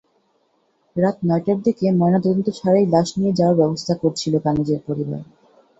রাত নয়টার দিকে ময়নাতদন্ত ছাড়াই লাশ নিয়ে যাওয়ার ব্যবস্থা করছিল কানিজের পরিবার।